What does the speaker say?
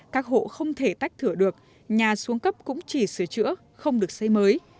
các hộ không thể tách thửa được nhà xuống cấp cũng chỉ sửa chữa không được xây mới